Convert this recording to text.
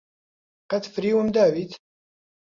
قەت فریوم داویت؟